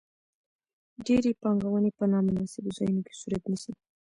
ډېرې پانګونې په نا مناسبو ځایونو کې صورت نیسي.